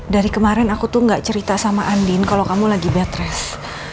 dari kemarin aku tuh gak cerita sama andin kalau kamu lagi bed rest